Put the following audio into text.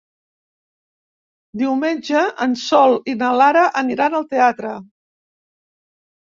Diumenge en Sol i na Lara aniran al teatre.